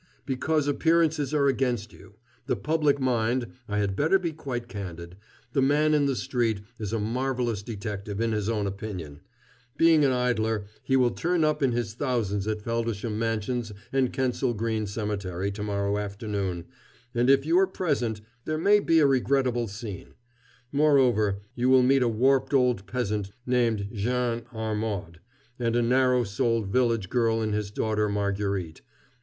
"Because appearances are against you. The public mind I had better be quite candid. The man in the street is a marvelous detective, in his own opinion. Being an idler, he will turn up in his thousands at Feldisham Mansions and Kensal Green Cemetery to morrow afternoon, and, if you are present, there may be a regrettable scene. Moreover, you will meet a warped old peasant named Jean Armaud and a narrow souled village girl in his daughter Marguerite.